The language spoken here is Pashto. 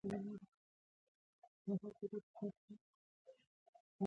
هغه د خپلې کورنۍ د هر غړي د خوشحالۍ لپاره هلې ځلې کوي